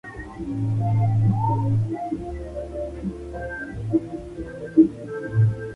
El fruto es una drupa.